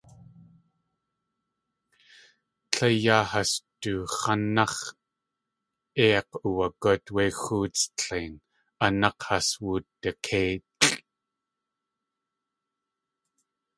Tle yá has du x̲ánnáx̲ eik̲ uwagút wé xóots tlein a nák̲ has wudikéilʼ.